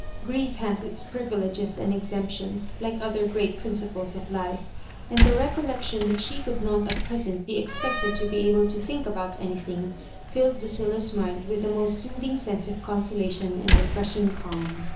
Grief has its privileges and exemptions, like oth^ great principles of life; and the recoUeotion that she oould not at present be expected to be able to think about anything, flUed Lucilla's mind with the most sootldng sense of consolatum and re* freshing calm.